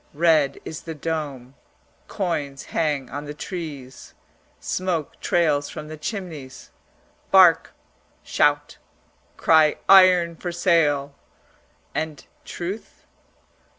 Red is the dome; coins hang on the trees; smoke trails from the chimneys; bark, shout, cry "Iron for sale" and truth?